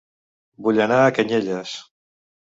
Vull anar a Canyelles